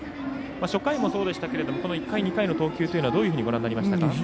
初回もそうでしたけど１回、２回の投球はどういうふうにご覧になりましたか。